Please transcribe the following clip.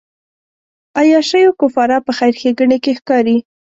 عیاشیو کفاره په خیر ښېګڼې کې ښکاري.